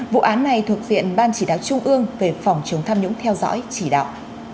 vụ án này thuộc viện ban chỉ đáo trung ương về phòng chống tham nhũng theo dõi chỉ đạo